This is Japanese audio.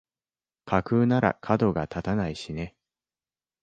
架空ならかどが立たないしね